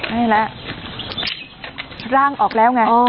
ไม่แล้วร่างออกแล้วไง